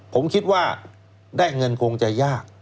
ผมคิดว่าได้เงินคงจะยาก